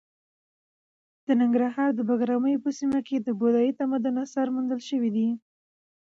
د ننګرهار د بګراميو په سیمه کې د بودايي تمدن اثار موندل شوي دي.